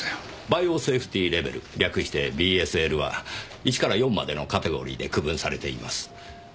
バイオセーフティーレベル略してＢＳＬは１から４までのカテゴリーで区分されています。